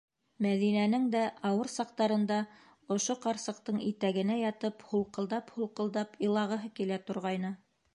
Мәҙинәнең дә ауыр саҡтарында, ошо ҡарсыҡтың итәгенә ятып, һулҡылдап-һулҡылдап илағыһы килә торғайны.